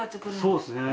そうですね。